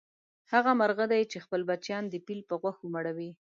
هغه مرغه دی چې خپل بچیان د پیل په غوښو مړوي.